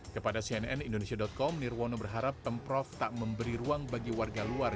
kepada cnn indonesia com nirwono berharap pemprov tak memberi ruang bagi warga luar